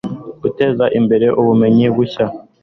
guteza imbere ubumenyi bushya